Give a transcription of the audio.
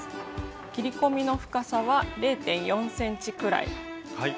切り込みの深さは０．４ｃｍくらい。